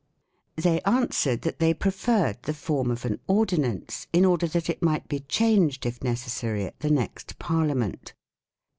They answered that they preferred the form of an ordinance, in order that it might be changed if necessary at the next Parliament.